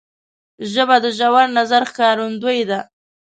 ژبه د ژور نظر ښکارندوی ده